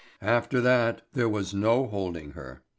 After that there was no holding her.